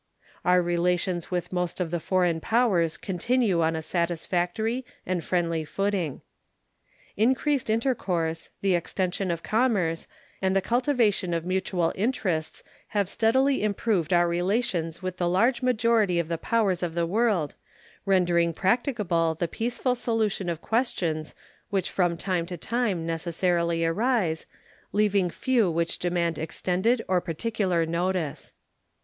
Our relations with most of the foreign powers continue on a satisfactory and friendly footing. Increased intercourse, the extension of commerce, and the cultivation of mutual interests have steadily improved our relations with the large majority of the powers of the world, rendering practicable the peaceful solution of questions which from time to time necessarily arise, leaving few which demand extended or particular notice.